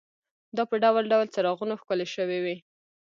دا په ډول ډول څراغونو ښکلې شوې وې.